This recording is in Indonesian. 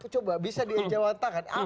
coba bisa dijawab tangan